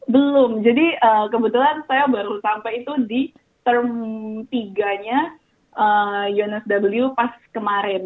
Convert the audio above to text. belum jadi kebetulan saya baru sampai itu di term tiganya unsw pas kemarin